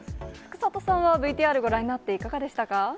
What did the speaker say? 福里さんは、ぶいーごらんになっていかがでしたか。